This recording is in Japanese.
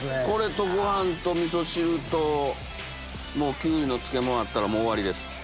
これとご飯とみそ汁とキュウリの漬物あったらもう終わりです。